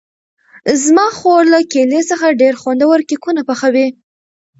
زما خور له کیلې څخه ډېر خوندور کېکونه پخوي.